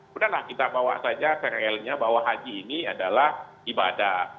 sudahlah kita bawa saja ke realnya bahwa haji ini adalah ibadah